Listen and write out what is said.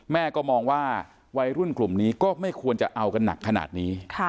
แม่ก็มองว่าวัยรุ่นกลุ่มนี้ก็ไม่ควรจะเอากันหนักขนาดนี้